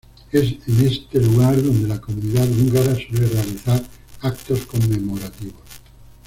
Es en este lugar donde la comunidad húngara suele realizar actos conmemorativos.